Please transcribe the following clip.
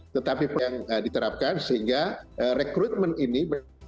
tetapi yang diterapkan sehingga rekrutmen ini